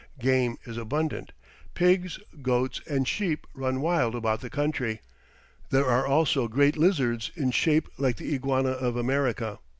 Game is abundant; pigs, goats, and sheep run wild about the country; there are also great lizards in shape like the iguana of America.